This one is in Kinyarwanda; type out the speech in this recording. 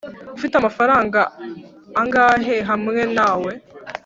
ufite amafaranga angahe hamwe nawe